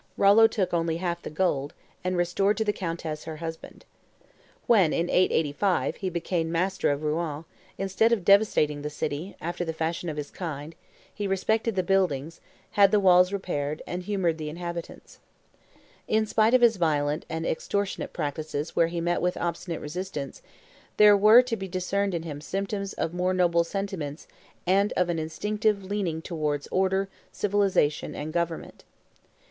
Rollo took only half the gold, and restored to the countess her husband. When, in 885, he became master of Rouen, instead of devastating the city, after the fashion of his kind, he respected the buildings, had the walls repaired, and humored the inhabitants. In spite of his violent and extortionate practices where he met with obstinate resistance, there were to be discerned in him symptoms of more noble sentiments and of an instinctive leaning towards order, civilization, and government.